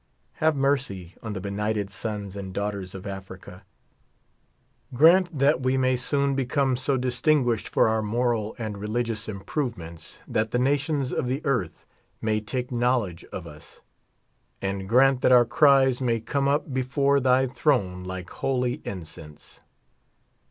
Have mercy on the benighted sons and daughters of Africa. Grant that we may soon become so distin guished for our moral and religious improvements, that the nations of the earth may take knowledge of us ; and grant that our cries may come up before thy throne like holy incense.